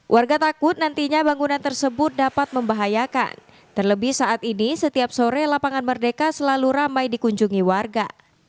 warga takut nantinya bangunan tersebut dapat membahayakan terlebih saat ini setiap sore lapangan merdeka selalu ramai dikunjungi warga